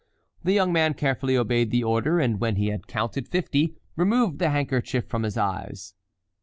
The young man carefully obeyed the order, and when he had counted fifty, removed the handkerchief from his eyes.